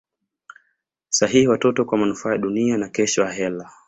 sahihi watoto kwa manufaa ya duniani na kesho akhera